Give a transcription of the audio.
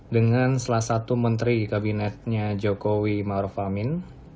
dengan salah satu menteri kabinetnya jokowi marufamin